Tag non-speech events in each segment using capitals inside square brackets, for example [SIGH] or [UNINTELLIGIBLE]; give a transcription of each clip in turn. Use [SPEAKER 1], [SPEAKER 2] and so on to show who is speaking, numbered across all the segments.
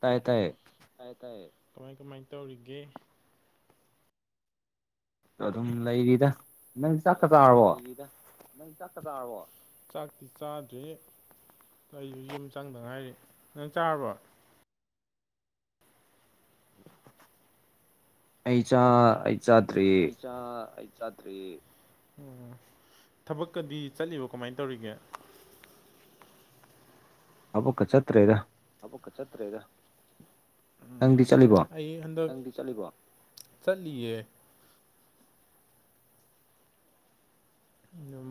[SPEAKER 1] ꯇꯥꯏ ꯇꯥꯏꯌꯦ
[SPEAKER 2] ꯇꯥꯏ ꯇꯥꯏꯌꯦ ꯀꯃꯥꯏ ꯀꯃꯥꯏ ꯇꯧꯔꯤꯒꯦ
[SPEAKER 1] ꯑꯗꯨꯝ ꯂꯩꯔꯤꯗ ꯅꯪ ꯆꯥꯛꯀ ꯆꯥꯔꯕꯣ
[SPEAKER 2] ꯅꯪ ꯆꯥꯛꯀ ꯆꯥꯔꯕꯣ ꯆꯥꯛꯇꯤ ꯆꯥꯗ꯭ꯔꯤ ꯑꯩ ꯑꯩꯁꯨ ꯌꯨꯝ ꯆꯪꯗꯉꯥꯏꯔꯤ ꯅꯪ ꯆꯥꯔꯕꯣ [UNINTELLIGIBLE]
[SPEAKER 1] ꯑꯩꯆꯥ ꯑꯩ ꯆꯥꯗ꯭ꯔꯤ
[SPEAKER 2] ꯑꯩ ꯆꯥꯗ꯭ꯔꯤ ꯎꯝ ꯊꯕꯛꯀꯗꯤ ꯆꯠꯂꯤꯕꯣ ꯀꯃꯥꯏꯅ ꯇꯧꯔꯤꯒꯦ
[SPEAKER 1] ꯑꯕꯛꯀ ꯆꯠꯇ꯭ꯔꯦꯗ
[SPEAKER 2] ꯊꯕꯛꯀ ꯆꯠꯇ꯭ꯔꯦꯗ ꯫
[SPEAKER 1] ꯅꯪꯗꯤ ꯆꯠꯂꯤꯕꯣ
[SPEAKER 2] ꯑꯩ ꯍꯟꯗꯛ ꯆꯠꯂꯤꯕꯣ ꯆꯠꯂꯤꯌꯦ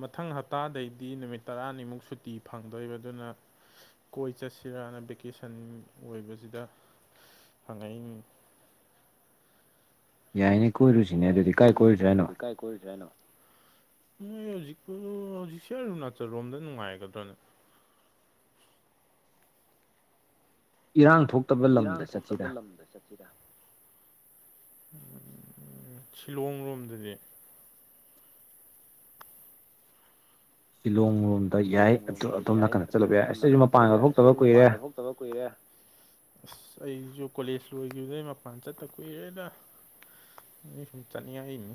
[SPEAKER 2] ꯃꯊꯪ ꯍꯞꯇꯥꯗꯩꯗꯤ ꯅꯨꯃꯤꯠ ꯇꯔꯥꯅꯤꯃꯨꯛ ꯁꯨꯇꯤ ꯐꯪꯗꯣꯏꯕ ꯑꯗꯨꯅ ꯀꯣꯏ ꯆꯠꯁꯤꯔꯅ ꯚꯦꯀꯦꯁꯟ ꯑꯣꯏꯕꯁꯤꯗ ꯍꯪꯉꯛꯏꯅꯤꯅꯦ
[SPEAKER 1] ꯌꯥꯏꯅꯦ ꯀꯣꯏꯔꯨꯁꯤꯅꯦ ꯑꯗꯨꯗꯤ ꯀꯥꯏ ꯀꯣꯏꯔꯨꯁꯤ ꯍꯥꯏꯅꯣ ꯫
[SPEAKER 2] ꯀꯥꯏ ꯀꯗ꯭ꯔꯦꯅꯣ ꯃꯣꯏ ꯍꯧꯖꯤꯛꯄꯨ ꯍꯧꯖꯤꯛꯁꯦ ꯑꯔꯨꯅꯥꯆꯜꯔꯣꯝꯗ ꯅꯨꯡꯉꯥꯏꯒꯗ꯭ꯔꯣꯅꯦ
[SPEAKER 1] ꯏꯔꯥꯡ ꯊꯣꯛ
[SPEAKER 2] ꯏꯔꯥꯡ ꯊꯣꯛꯇꯕ ꯂꯝꯗ ꯆꯠꯁꯤꯗ ꯫ ꯁꯤꯂꯣꯡ ꯂꯣꯝꯗꯗꯤ
[SPEAKER 1] ꯂꯤꯂꯣꯡ ꯂꯣꯝꯗ ꯌꯥꯏ ꯑ ꯑꯗꯣꯝꯅꯥ ꯀꯟꯗ ꯆꯠꯂꯨꯕ ꯌꯥꯏ ꯑꯁꯤꯁ ꯑꯩꯁꯨ ꯃꯄꯥꯟꯒ ꯊꯣꯛꯇꯕ ꯀꯨꯢꯔꯦ
[SPEAKER 2] ꯆꯇꯕ ꯀꯨꯏꯔꯦ ꯑꯁ ꯑꯩꯁꯨ ꯀꯣꯂꯦꯖ ꯂꯣꯏꯈꯤꯕꯗꯩ ꯃꯄꯥꯟ ꯆꯠꯇ ꯀꯨꯏꯔꯦꯗ ꯫ ꯍꯧꯖꯤꯛ ꯁꯨꯝ ꯆꯅꯤꯉꯏꯃꯤ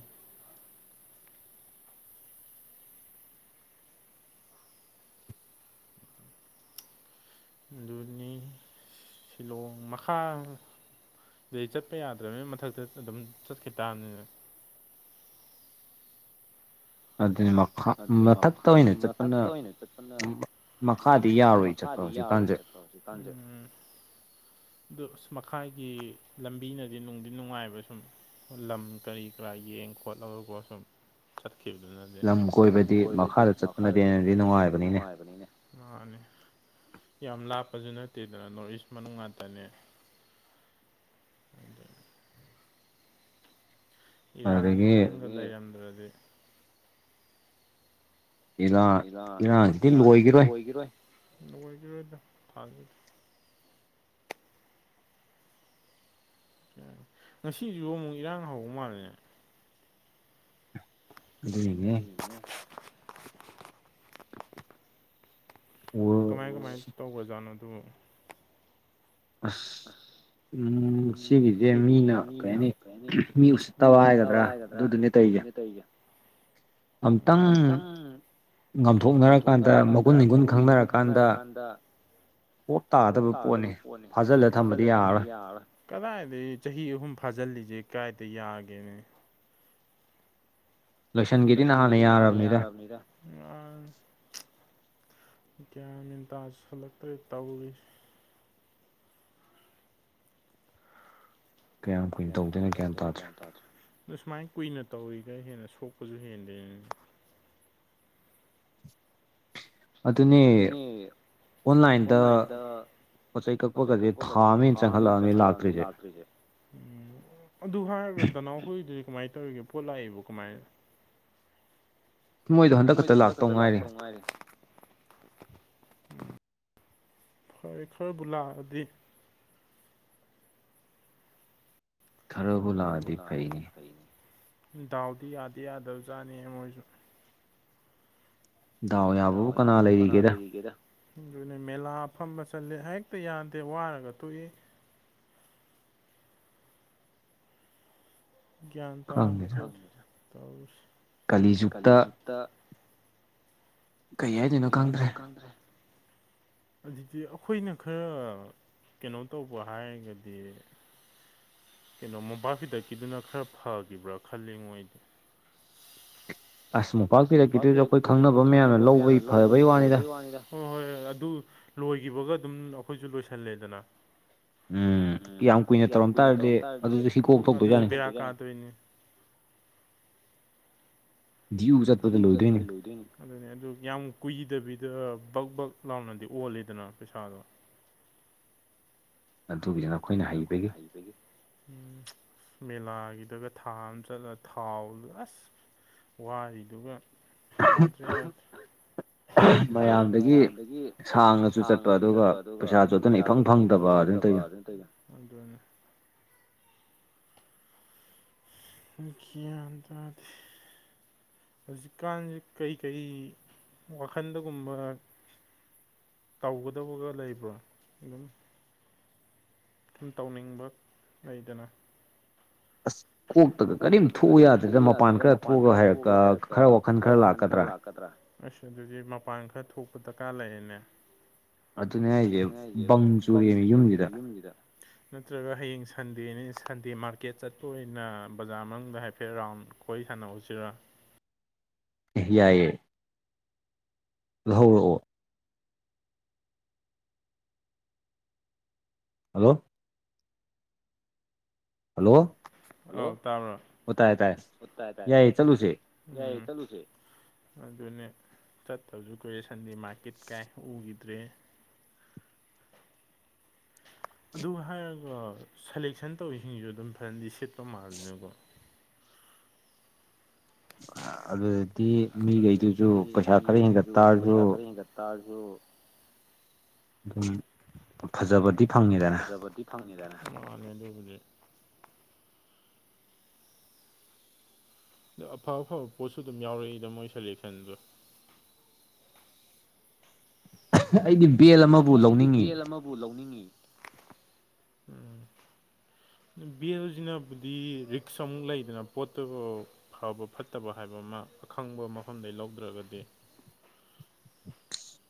[SPEAKER 2] ꯑꯗꯨꯅꯤ ꯁꯤꯂꯣꯡ ꯃꯈꯥ ꯑꯗꯩ ꯆꯠꯄ ꯌꯥꯗ꯭ꯔꯕꯅꯤꯅ ꯃꯊꯛꯇ ꯑꯗꯨꯝ ꯆꯠꯈꯤ ꯇꯥꯔꯅꯤꯅ
[SPEAKER 1] ꯑꯗꯨꯃꯛ
[SPEAKER 2] ꯑꯗꯨꯅ ꯃꯊꯛꯇ ꯑꯣꯏꯅ ꯆꯠꯄꯅ ꯃꯈꯥꯗꯤ ꯌꯥꯔꯣꯏ ꯆꯠꯄꯅꯤ ꯍꯧꯖꯤꯛꯀꯥꯟꯁꯦ ꯑꯣ ꯑ ꯃꯈꯥꯏꯒꯤ ꯂꯝꯕꯤꯅꯗꯤ ꯅꯨꯡꯗꯤ ꯅꯨꯡꯉꯥꯏꯕ ꯁꯨꯝ ꯂꯝ ꯀꯔꯤ ꯀꯔꯥ ꯌꯦꯡ ꯈꯣꯠꯂꯒ ꯁꯨꯝ ꯆꯠꯈꯤꯕꯗꯨꯅꯗꯤ ꯂꯝ ꯀꯣꯏꯕꯗꯤ ꯃꯈꯥꯗ ꯆꯠꯄꯅꯕꯤꯅꯗꯤ ꯅꯨꯡꯉꯥꯏꯕꯅꯤꯅꯦ ꯃꯥꯅꯤ ꯌꯥꯝ ꯂꯥꯞꯄꯁꯨ ꯅꯠꯇꯦꯗꯅ ꯅꯣꯔꯠ ꯏꯁ ꯃꯅꯨꯡ ꯉꯥꯛꯇꯅꯦ ꯏꯔꯥꯡꯁꯤ ꯇꯪꯒ ꯂꯩꯔꯝꯗ꯭ꯔꯗꯤ ꯫ ꯂꯤꯂꯥ ꯏꯔꯥꯡꯁꯨ ꯂꯣꯏꯈꯤꯔꯣꯏ ꯂꯣꯏꯈꯤꯔꯣꯏꯗ ꯀꯔ ꯉꯁꯤꯁꯨ ꯑꯃꯨꯛ ꯏꯔꯥꯡ ꯍꯧꯕ ꯃꯥꯜꯂꯦꯅꯦ
[SPEAKER 1] ꯑꯗꯨꯅꯦ
[SPEAKER 2] ꯀꯃꯥꯏ ꯀꯃꯥꯏ ꯇꯧꯕ ꯖꯥꯠꯅꯣ ꯑꯗꯨ ꯑꯁ ꯎꯝ ꯁꯤꯒꯤꯁꯦ ꯃꯤꯅ ꯀꯩ ꯍꯥꯏꯅꯤ ꯃꯤ ꯎꯁꯤꯠꯇꯕ ꯍꯥꯏꯒꯗ꯭ꯔꯥ ꯑꯗꯨꯗꯨꯅꯦ ꯇꯧꯌꯦ
[SPEAKER 1] ꯑꯝꯇꯪ ꯉꯥꯝꯊꯣꯛꯅꯔꯀꯥꯟꯗ ꯃꯒꯨꯟ ꯒꯨꯟ ꯈꯪꯅꯔꯀꯥꯟꯗ ꯄꯣꯠ ꯇꯥꯗꯕ ꯄꯣꯠꯅꯤ ꯐꯥꯖꯤꯜꯂ ꯊꯝꯕꯗꯤ ꯌꯥꯔꯣꯏ
[SPEAKER 2] ꯀꯗꯥꯏꯗꯒꯤ ꯆꯍꯤ ꯑꯍꯨꯝ ꯐꯥꯖꯤꯜꯂꯤꯁꯦ ꯀꯗꯥꯏꯗ ꯌꯥꯒꯦꯅꯦ ꯂꯣꯏꯁꯟꯒꯀꯗꯤ ꯅꯍꯥꯟꯅ ꯌꯥꯔꯕꯅꯤꯗ ꯫ ꯀꯌꯥ ꯃꯤꯟꯇꯥ ꯍꯠꯂꯛꯇ꯭ꯔꯦ ꯇꯧꯔꯤꯁ ꯌꯥꯝ ꯑꯗ ꯁꯨꯃꯥꯏꯅ ꯀꯨꯏꯅ ꯇꯧꯔꯤꯒ ꯍꯦꯟꯅ ꯁꯣꯛꯄꯁꯨ ꯍꯦꯟꯗꯦ ꯑꯗꯨꯅꯤ ꯑꯣꯟꯂꯥꯏꯟꯗ ꯄꯣꯠ ꯆꯩꯩ ꯀꯛꯄꯒꯗꯤ ꯊꯥꯃꯤ ꯆꯪꯍꯜꯂꯛꯑꯃꯤ ꯂꯥꯛꯇ꯭ꯔꯤꯁꯦ ꯑꯗꯨ ꯍꯥꯏꯔꯒ ꯗꯥꯀꯥꯇ ꯅꯥꯎ ꯍꯨꯣꯏꯗꯨꯗꯤ ꯀꯃꯥꯏꯅ ꯇꯧꯔꯤꯒꯦ ꯄꯣꯠ ꯂꯥꯛꯏꯕꯣ ꯀꯃꯥꯏꯅ ꯫ ꯃ ꯃꯣꯏꯗꯣ ꯍꯟꯗꯛ ꯈꯛꯇ ꯂꯥꯛꯇꯧ ꯉꯥꯏꯔꯦ ꯐꯔꯦꯈꯔ ꯂꯥꯛꯑꯗꯤ ꯈꯔꯕꯨ ꯂꯛꯑꯗꯤ ꯐꯩꯅꯤ ꯗꯥꯎꯗꯤ ꯌꯥꯗꯦ ꯌꯥꯗꯕꯖꯥꯠꯅꯤ ꯃꯣꯏꯁꯨ ꯫ ꯗꯥꯎ ꯌꯥꯕꯕꯨ ꯀꯅꯥ ꯂꯩꯔꯤꯒꯦꯗ ꯑꯗꯨꯅ ꯃꯦꯂꯥ ꯐꯝꯕ ꯆꯠꯂꯦ ꯍꯦꯛꯇ ꯌꯥꯗꯦ ꯋꯥꯔꯒ ꯇꯣꯛꯏ ꯒ꯭ꯌꯥꯟ ꯇꯥꯔ ꯈ꯭ꯔ ꯇꯧꯔꯤꯁꯦ ꯀꯥꯂꯤꯖꯨꯛꯇ
[SPEAKER 1] ꯀꯩ ꯍꯥꯏꯗꯣꯏꯅꯣ ꯈꯪꯗ꯭ꯔꯦ
[SPEAKER 2] ꯑꯗꯨꯗꯤ ꯑꯩꯈꯣꯏꯅ ꯈꯔ ꯀꯩꯅꯣ ꯇꯧꯕ ꯍꯥꯏꯔꯒꯗꯤ ꯀꯩꯅꯣ ꯃꯣꯝꯄꯥꯛ ꯐꯤꯗꯛꯀꯤꯗꯨꯅ ꯈꯔ ꯐꯈꯤꯕ꯭ꯔꯥ ꯈꯜꯂꯤꯉꯣ ꯑꯩꯗꯤ ꯑꯁ ꯃꯨꯝꯄꯥꯛ ꯐꯤꯗꯛꯈꯤꯗꯣꯏꯁꯨ ꯑꯩꯈꯣꯏ ꯈꯪꯅꯕ ꯃꯌꯥꯝꯅ ꯂꯧꯕꯩ ꯐꯕꯩ ꯋꯥꯅꯤꯗ ꯫ ꯍꯣꯏ ꯍꯣꯏ ꯑꯗꯨ ꯂꯣꯏꯈꯤꯕꯒ ꯑꯗꯨꯝ ꯑꯩꯈꯣꯏꯁꯨ ꯂꯣꯏꯁꯜꯂꯦꯗꯅ ꯫ ꯎꯝ ꯌꯥꯝ ꯀꯨꯏꯅ ꯇꯧꯔꯝ ꯇꯥꯔꯗꯤ ꯗꯤꯌꯨ ꯆꯠꯄꯗꯣ ꯂꯣꯏꯗꯣꯏꯅꯦ ꯫ ꯑꯗꯨꯅꯦ ꯑꯗꯨ ꯌꯥꯝ ꯀꯨꯏꯗꯕꯤꯗ ꯕꯛ ꯕꯛ ꯂꯥꯎꯅꯗꯤ ꯑꯣꯜꯂꯦꯗꯅ ꯄꯩꯁꯥꯗꯣ ꯑꯗꯨꯒꯤꯗꯨ ꯑꯩꯈꯣꯏꯅ ꯍꯩꯕꯒꯤ ꯃꯦꯂꯥꯒꯤꯗꯒ ꯊꯥ ꯑꯃ ꯆꯠꯂ ꯊꯥꯎꯗꯨ ꯑꯁ ꯋꯥꯔꯤꯗꯨꯒ ꯉꯥꯗꯦ ꯌꯥꯝ
[SPEAKER 1] [INAUDIBLE] ꯃꯌꯥꯝꯗꯒꯤ ꯁꯥꯡꯅꯁꯨ ꯆꯠꯄ ꯑꯗꯨꯒ ꯄꯩꯁꯥꯁꯨ ꯑꯗꯨꯅ ꯏꯐꯪ ꯐꯪꯗꯕ ꯑꯗꯨꯃꯥꯏꯅ ꯇꯧꯏꯁꯦ
[SPEAKER 2] [INAUDIBLE] ꯒꯌꯥꯟ ꯇꯥꯗꯦ ꯍꯧꯖꯤꯛꯀꯥꯟꯁꯤ ꯀꯩꯀꯔꯤ ꯋꯥꯈꯟꯗꯒꯨꯝꯕ ꯇꯧꯒꯗꯕꯒ ꯂꯩꯕ꯭ꯔꯥ ꯑꯗꯨꯝ ꯇꯧꯅꯤꯡꯕ ꯂꯩꯗꯅ ꯑꯁ ꯀꯣꯛꯇꯒ ꯀꯔꯤꯝ ꯊꯣꯛꯎ ꯌꯥꯗꯗ ꯃꯄꯥꯟ ꯈꯔ ꯊꯣꯛꯑꯒ ꯍꯥꯏꯔꯒ ꯈꯔ ꯋꯥꯈꯜ ꯈꯔ ꯂꯥꯛꯀꯗ꯭ꯔꯥ ꯫ ꯑꯁ ꯑꯗꯨꯗꯤ ꯃꯄꯥꯟ ꯈꯔ ꯊꯣꯛꯄ ꯗꯔꯀꯥꯔ ꯂꯩꯔꯦꯅꯦ ꯑꯗꯨꯅꯦ ꯑꯩꯁꯦ ꯕꯪ ꯆꯨꯔꯦ ꯌꯨꯝꯁꯤꯗ ꯅꯠꯇ꯭ꯔꯒ ꯍꯌꯦꯡ ꯁꯟꯗꯦꯅꯤ ꯁꯟꯗꯦ ꯃꯥꯔꯀꯦꯠ ꯆꯠꯄ ꯑꯣꯏꯅ ꯕꯖꯥꯔ ꯃꯅꯨꯡꯗ ꯍꯥꯏꯐꯦꯠ ꯔꯥꯎꯟ ꯑꯩꯈꯣꯏ ꯁꯥꯟꯅꯎꯁꯤꯔꯥ
[SPEAKER 1] ꯑꯦ ꯌꯥꯏꯌꯦ ꯍꯧꯔꯛꯑꯣ ꯍꯜꯂꯣ ꯍꯜꯂꯣ
[SPEAKER 2] ꯍꯜꯂꯣ ꯇꯥꯕ꯭ꯔꯣ
[SPEAKER 1] ꯑꯣ ꯇꯥꯏ ꯇꯥꯏ ꯌꯥꯏ ꯆꯠꯂꯨꯁꯦ ꯫
[SPEAKER 2] ꯌꯥ ꯏ ꯆꯂꯨꯁꯦ ꯑꯗꯨꯅꯦ ꯆꯠꯇꯕꯁꯨ ꯀꯨꯏꯔꯦ ꯁꯟꯗꯤ ꯃꯥꯔꯀꯦꯠ ꯀꯥꯏ ꯎꯈꯤꯗ꯭ꯔꯅꯦ ꯫ ꯑꯗꯨ ꯍꯥꯏꯔꯒ ꯁꯦꯂꯦꯛꯁꯟ ꯇꯧꯔꯤꯁꯤꯡꯁꯤꯁꯨ ꯑꯗꯨꯝ ꯐꯖꯅꯗꯤ ꯁꯤꯠꯄ ꯃꯥꯜꯂꯤꯗꯀꯣ ꯫
[SPEAKER 1] ꯑꯗꯨꯗꯗꯤ ꯃꯤꯈꯩꯗꯨꯁꯨ ꯄꯩꯁꯥ ꯈꯔ ꯍꯦꯟꯒꯠ ꯇꯥꯔꯁꯨ
[SPEAKER 2] ꯇꯥꯕꯔꯣ
[SPEAKER 1] ꯎꯝ
[SPEAKER 2] ꯐꯖꯕꯗꯤ ꯐꯪꯉꯤꯗꯅꯅꯤ ꯑꯗꯨꯕꯨꯗꯤ ꯑꯗꯣ ꯑꯐ ꯑꯐꯕ ꯄꯣꯠꯁꯨ ꯑꯗꯨꯝ ꯌꯥꯎꯔꯛꯏꯗ ꯃꯣꯏ ꯁꯦꯂꯦꯛꯁꯟꯗꯣ ꯫
[SPEAKER 1] ꯑꯩꯗꯤ ꯕꯤꯜ
[SPEAKER 2] ꯑꯩꯗꯤ ꯕꯦꯜ ꯑꯃꯕꯨ ꯂꯧꯅꯤꯡꯉꯤ ꯎꯝ ꯕꯤ ꯑꯦꯜꯁꯤꯅꯕꯨꯗꯤ ꯔꯤꯛꯁ ꯑꯃꯨꯛ ꯂꯩꯗꯅ ꯄꯣꯠꯇꯣ ꯐꯕ ꯐꯠꯇꯕ ꯍꯥꯏꯕ ꯑꯃ ꯑꯈꯪꯕ ꯃꯐꯝꯗꯩ ꯂꯧꯗ꯭ꯔꯒꯗꯤ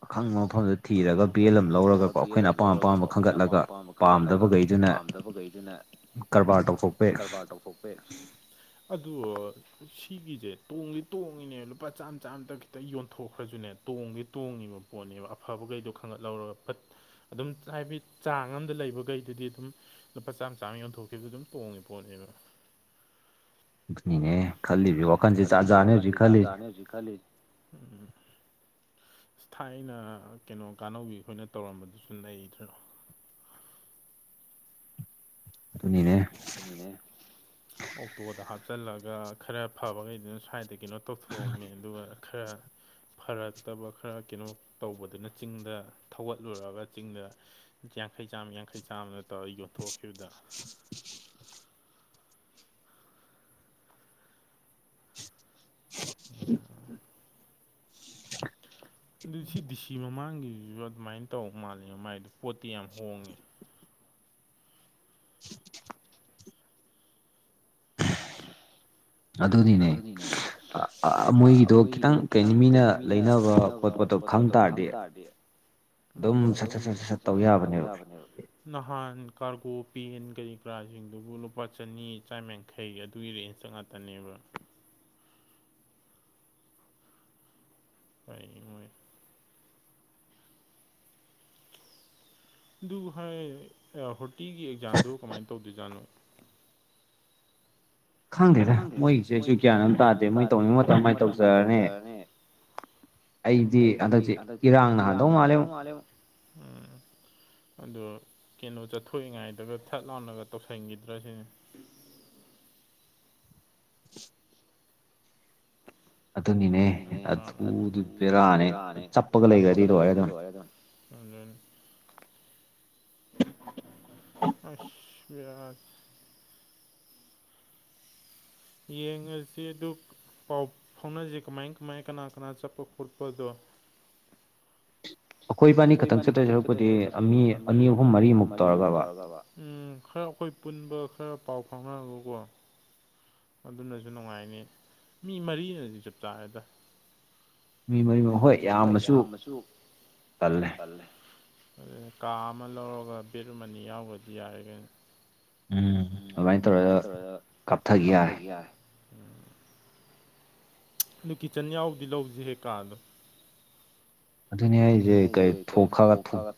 [SPEAKER 1] ꯑꯈꯪꯕ ꯃꯐꯝꯗ
[SPEAKER 2] ꯈꯪꯕ ꯃꯐꯝꯗꯨ ꯊꯤꯔꯒ ꯕꯦꯜ ꯑꯃ ꯂꯧꯔꯒꯀꯣ ꯑꯩꯈꯣꯏꯅ ꯑꯄꯥꯝ ꯑꯄꯥꯝꯕ ꯈꯟꯒꯠꯂꯒ ꯄꯥꯝꯗꯕꯈꯩꯗꯨꯅ ꯀꯔꯕꯥꯔ ꯇꯧꯊꯣꯛꯄ ꯌꯥ ꯑꯗꯨ ꯁꯤꯒꯤꯁꯦ ꯇꯣꯡꯗꯤꯦ ꯇꯣꯡꯉꯤꯅꯦ ꯂꯨꯄꯥ ꯆꯥꯝ ꯆꯥ ꯑꯃꯇ ꯈꯤꯇꯪ ꯌꯣꯟꯊꯣꯛꯈ꯭ꯔꯁꯨꯅꯦ ꯇꯣꯡꯗꯤꯦ ꯇꯣꯡꯉꯤꯕ ꯄꯣꯠꯅꯦꯕ ꯑꯐꯕꯈꯩꯗꯣ ꯈꯪꯒꯠꯍꯧꯔꯒ ꯐꯠ ꯑꯗꯨꯝ ꯍꯥꯏꯕꯗꯤ ꯆꯥꯡ ꯑꯃꯝꯗ ꯂꯩꯕꯈꯩꯗꯨꯗꯤ ꯑꯗꯨꯝ ꯂꯨꯄꯥ ꯆꯥꯝꯃ ꯆꯥꯝꯃ ꯌꯣꯟꯊꯣꯛꯈꯤꯕ ꯑꯗꯨꯝ ꯇꯣꯡꯉꯤ ꯄꯣꯠꯅꯦꯕ ꯑꯦ ꯈꯜꯂꯤ ꯋꯥꯀꯥꯟꯁꯤ ꯆꯥꯖ ꯑ ꯍꯧꯁꯤ ꯈꯜꯂꯤ ꯏꯁ ꯊꯥꯏꯅ ꯀꯩꯅꯣ ꯀꯥꯟꯅꯕꯤ ꯑꯩꯈꯣꯏꯅ ꯇꯧꯔꯝꯕꯗꯨꯁꯨ ꯂꯩꯗ꯭ꯔꯣ
[SPEAKER 1] ꯑꯗꯨꯅꯤꯅꯦ
[SPEAKER 2] ꯑꯣꯛꯇꯣꯗ ꯍꯥꯞꯆꯤꯜꯂꯒ ꯈꯔ ꯐꯕꯈꯩꯗꯨꯅ ꯁ꯭ꯋꯥꯏꯗꯩ ꯀꯩꯅꯣ ꯇꯧꯊꯣꯛꯑꯝꯃꯦ ꯑꯗꯨꯒ ꯈꯔ ꯐꯔꯛꯇꯕ ꯈꯔ ꯀꯩꯅꯣ ꯇꯧꯕꯗꯨꯅ ꯆꯤꯡꯗ ꯊꯧꯒꯠꯂꯨꯔꯑꯒ ꯆꯤꯡꯗ ꯌꯥꯡꯈꯩ ꯆꯥꯝꯃ ꯌꯥꯡꯈꯩ ꯆꯥꯝꯃꯗ ꯇꯧꯔꯒ ꯌꯣꯟꯊꯣꯛꯈꯤꯕꯗ ꯌꯥ [INAUDIBLE] ꯑꯗꯨ ꯁꯤ ꯗꯤ ꯁꯤ ꯃꯃꯥꯡꯒꯤ ꯑꯗꯨꯃꯥꯏꯅ ꯇꯧ ꯃꯥꯜꯂꯤꯅꯦ ꯃꯥꯏꯗꯣ ꯄꯣꯠꯇꯤ ꯌꯥꯝ ꯍꯣꯡꯉꯦ ꯫ ꯑꯗꯨꯅꯤꯅꯦ ꯃꯣꯏꯒꯤꯗꯣ ꯈꯤꯇꯪ ꯀꯩꯅꯤ ꯃꯤꯅ ꯂꯩꯅꯕ ꯫ ꯈꯣꯠꯄꯣꯠꯇꯣ ꯈꯪ ꯇꯥꯔꯗꯤ ꯑꯗꯨꯝ ꯁꯠ ꯁꯠ ꯁꯠꯠ ꯁꯠꯇꯧ ꯌꯥꯕꯅꯦꯕ ꯅꯍꯥꯟ ꯀꯥꯔꯒꯣ ꯄꯦꯟ ꯀꯔꯤ ꯀꯔꯥꯁꯤꯡꯗꯨꯕꯨ ꯂꯨꯄꯥ ꯆꯅꯤ ꯆꯥꯃꯡ ꯈꯩ ꯑꯗꯨꯒꯤ ꯔꯦꯟꯖꯇ ꯉꯥꯛꯇꯅꯦꯕ ꯄꯥꯏ ꯃꯣꯏ ꯑꯗꯨ ꯍꯥꯏ ꯍꯣꯔꯇꯤꯒꯤ ꯑꯦꯛꯖꯥꯝꯗꯨ ꯀꯃꯥꯏꯅ ꯇꯧꯗꯣꯏꯖꯥꯠꯅꯣ ꯈꯪꯗꯦꯗ ꯃꯣꯏꯒꯤꯁꯦꯁꯨ ꯀ꯭ꯌꯥꯅ ꯑꯃꯝ ꯇꯥꯗꯦ ꯃꯣꯏ ꯇꯧꯅꯤꯡꯕ ꯃꯇꯝꯃꯥꯏꯅ ꯇꯧꯖꯔꯅꯤ ꯑꯩꯗꯤ ꯍꯟꯗꯛꯇꯤ ꯏꯔꯥꯡ ꯅꯍꯟꯗꯧ ꯃꯥꯜꯂꯦꯛ ꯑꯗꯣ ꯀꯩꯅꯣꯗ ꯊꯣꯛꯏꯉꯥꯏꯗꯒ ꯊꯠ ꯂꯥꯎꯟꯅꯒ ꯇꯧꯁꯤꯟꯈꯤꯗ꯭ꯔꯥ ꯁꯤꯅꯦ ꯑꯗꯨꯅꯤꯅꯦ ꯑꯗꯨꯗꯤ ꯄꯕꯦꯔꯥꯅꯦ ꯆꯞꯄꯒ ꯂꯩꯈ꯭ꯔꯗꯤ ꯂꯣꯏꯔꯦ ꯑꯗꯨꯝ ꯫ ꯑꯁ ꯌꯦꯡꯉꯁꯤ ꯑꯗꯨ ꯄꯥꯎ ꯐꯥꯎꯅꯖ ꯀꯃꯥꯏ ꯀꯃꯥꯏ ꯀꯅꯥ ꯀꯅꯥ ꯆꯠꯄ ꯈꯣꯠꯄꯗꯣ ꯑꯩꯈꯣꯏ ꯏꯕꯥꯅꯤ ꯈꯛꯇꯪ ꯆꯠꯇꯣꯏ ꯆꯔꯛꯄꯨꯗꯤ ꯃꯤ ꯑꯅꯤ ꯑꯍꯨꯝ ꯃꯔꯤꯃꯨꯛ ꯇꯧꯔꯒꯕ ꯎ ꯈꯔ ꯑꯩꯈꯣꯏ ꯄꯨꯟꯕ ꯈꯔ ꯄꯥꯎ ꯐꯥꯎꯅꯔꯒꯀꯣ ꯫ ꯑꯗꯨꯅꯁꯨ ꯅꯨꯡꯉꯥꯏꯅꯤ ꯃꯤ ꯃꯔꯤꯅꯗꯤ ꯆꯞ ꯆꯥꯔꯦꯗ ꯃꯤ ꯃꯔꯤ ꯍꯣꯏ ꯌꯥꯝꯕꯁꯨ ꯄꯜꯂꯦ ꯑꯗꯨꯅ ꯀꯥ ꯑꯃ ꯂꯧꯔꯒ ꯕꯦꯠꯔꯨꯝ ꯑꯅꯤ ꯌꯥꯎꯕꯗꯤ ꯌꯥꯏꯈꯅ ꯎꯝ ꯑꯗꯨꯃꯥꯏꯅ ꯇꯧꯔꯒ ꯀꯥꯞꯊꯒ ꯌꯥꯏ ꯅꯣꯏ ꯀꯤꯠꯆꯟ ꯌꯥꯎꯗꯤ ꯂꯧꯁꯤꯍꯦꯛ ꯀꯥꯗꯣ ꯑꯗꯨꯅꯦ ꯑꯩꯁꯦ ꯊꯣꯛꯈꯒ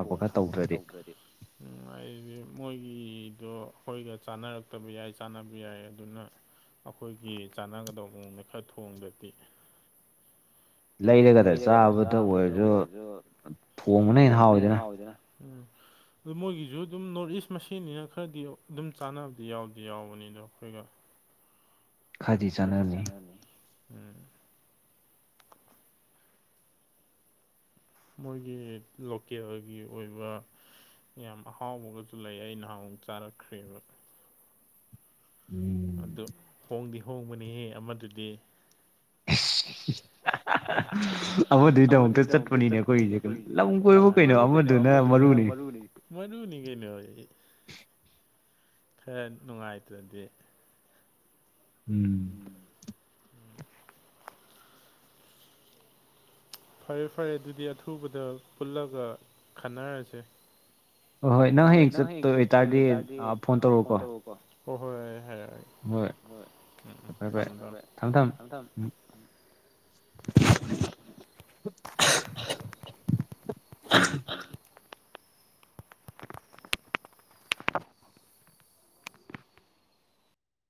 [SPEAKER 2] ꯊꯣꯡ ꯊꯥꯛꯄ ꯈ ꯇꯧꯖꯔꯤꯕ ꯎꯝ ꯑꯩꯗꯤ ꯃꯣꯏꯒꯤꯗꯣ ꯑꯩꯈꯣꯏꯒ ꯆꯥꯟꯅꯔꯛꯇꯕ ꯌꯥꯏ ꯆꯥꯟꯅꯕ ꯌꯥꯏ ꯑꯗꯨꯅ ꯫ ꯑꯩꯈꯣꯏꯒꯤ ꯆꯥꯟꯅꯒꯗꯧꯕ ꯃꯈꯈꯔ ꯊꯣꯡꯗꯗꯤ ꯂꯩꯔꯒꯗ ꯆꯥꯕꯗ ꯑꯣꯏꯔꯁꯨ ꯊꯣꯡꯕꯅ ꯍꯦꯟꯅ ꯍꯥꯎꯋꯤꯗꯅ ꯑꯗꯨ ꯃꯣꯏꯒꯤꯁꯨ ꯑꯗꯨꯝ ꯅꯣꯔꯠ ꯏꯁ ꯃꯁꯤꯅꯤꯅ ꯈꯔꯗꯤ ꯑꯗꯨꯝ ꯆꯥꯟꯅꯕꯗꯤ ꯌꯥꯎꯗꯤ ꯌꯥꯎꯕꯅꯤꯅ ꯑꯩꯈꯣꯏꯒ ꯈꯔꯗꯤ ꯆꯥꯟꯅꯔꯅꯤ ꯎꯝ ꯃꯣꯏꯒꯤ ꯂꯣꯀꯦꯜꯒꯤ ꯑꯣꯏꯕ ꯌꯥꯝ ꯑꯍꯥꯎꯕꯒꯁꯨ ꯂꯩ ꯑꯩ ꯅꯍꯥꯟꯨꯛ ꯆꯥꯔꯛꯈ꯭ꯔꯦꯕ
[SPEAKER 1] ꯎꯝ [INAUDIBLE]
[SPEAKER 2] ꯑꯗꯨ ꯍꯣꯡꯗꯤ ꯍꯣꯡꯕꯅꯤ ꯑꯃꯗꯨꯗꯤ ꯑꯃꯇꯨꯒꯤ ꯇꯃꯛꯇ ꯆꯠꯄꯅꯤꯅꯦ ꯑꯩꯈꯣꯏꯒꯤꯗꯤ ꯅꯣ ꯑꯃꯗꯨꯅ ꯃꯔꯨꯅꯤ ꯃꯔꯨꯅꯤ ꯀꯩꯅꯣ ꯑꯩ
[SPEAKER 1] [UNINTELLIGIBLE]
[SPEAKER 2] ꯈꯔ ꯅꯨꯡꯉꯥꯏꯇ꯭ꯔꯗꯤ
[SPEAKER 1] ꯎꯝ
[SPEAKER 2] ꯐꯔꯦ ꯐꯔꯦ ꯑꯗꯨꯗꯤ ꯑꯊꯨꯕꯗ ꯄꯨꯜꯂꯒ ꯈꯟꯅꯔꯁꯦ ꯍꯣꯏ ꯍꯣꯏ ꯅꯪ ꯍꯌꯦꯡ ꯆꯠꯄ ꯑꯣꯏꯇꯥꯔꯗꯤ ꯐꯣꯟ ꯇꯧꯔꯑꯣꯀꯣ ꯍꯣꯏ ꯍꯣꯏ ꯑꯩ ꯍꯥꯏꯔꯛꯑꯒꯦ ꯍꯣꯏ ꯊꯝꯃꯦ ꯊꯝꯃꯦ ꯑꯎ